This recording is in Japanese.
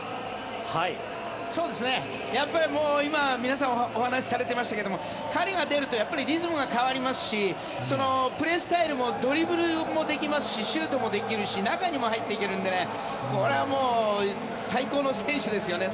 やっぱり今、皆さんお話されていましたけど彼が出るとリズムが変わりますしプレースタイルもドリブルもできますしシュートもできるし中にも入っていけるのでこれはもう最高の選手ですよね。